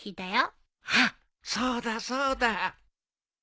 はっそうだそうだ。